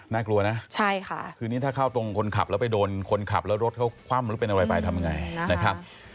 น่ากลัวนะใช่ค่ะคือนี้ถ้าเข้าตรงคนขับแล้วไปโดนคนขับแล้วรถเขาคว่ำหรือเป็นอะไรไปทำยังไงนะครับ